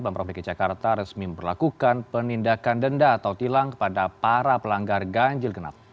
bapak prof kicakarta resmi berlakukan penindakan denda atau tilang kepada para pelanggar ganjil genap